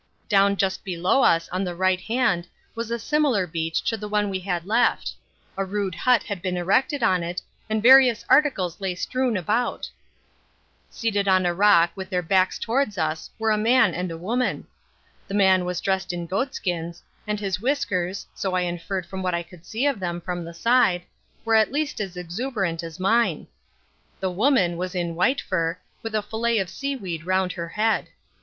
Down just below us on the right hand was a similar beach to the one that we had left. A rude hut had been erected on it and various articles lay strewn about. Seated on a rock with their backs towards us were a man and a woman. The man was dressed in goatskins, and his whiskers, so I inferred from what I could see of them from the side, were at least as exuberant as mine. The woman was in white fur with a fillet of seaweed round her head.